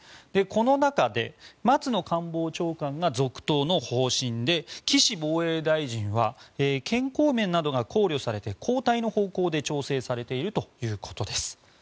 この中で松野官房長官が続投の方針で岸防衛大臣は健康面などが考慮されて交代の方向で調整されているということです。